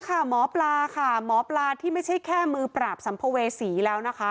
หมอปลาค่ะหมอปลาที่ไม่ใช่แค่มือปราบสัมภเวษีแล้วนะคะ